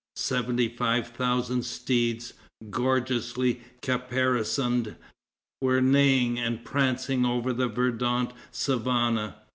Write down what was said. Seventy five thousand steeds, gorgeously caparisoned, were neighing and prancing over the verdant savanna.